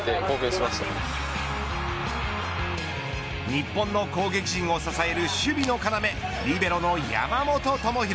日本の攻撃陣を支える守備の要リベロの山本智大。